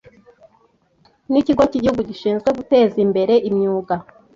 n’ikigo cy’igihugu gishinzwe guteza imbere imyuga